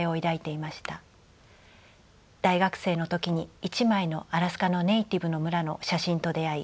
大学生の時に一枚のアラスカのネイティブの村の写真と出会い